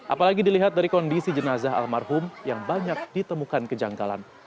apalagi dilihat dari kondisi jenazah almarhum yang banyak ditemukan kejanggalan